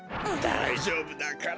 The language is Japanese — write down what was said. だいじょうぶだから。